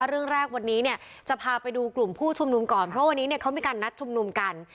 เรื่องแรกวันนี้เนี่ยจะพาไปดูกลุ่มผู้ชุมนุมก่อนเพราะวันนี้เนี่ยเขามีการนัดชุมนุมกัน